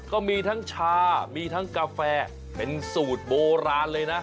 ก็มีทั้งชามีทั้งกาแฟเป็นสูตรโบราณเลยนะ